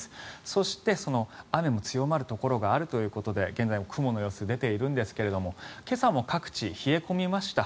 そしてその雨も強まるところがあるということで現在の雲の様子が出ているんですが今朝も各地、冷え込みました。